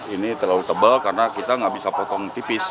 ini terlalu tebal karena kita nggak bisa potong tipis